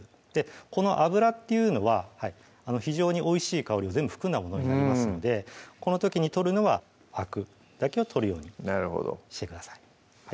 この油っていうのは非常においしい香りを全部含んだものになりますのでこの時に取るのはあくだけを取るようにしてください